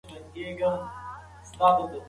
سختۍ مې د ځان لپاره امتحان وباله.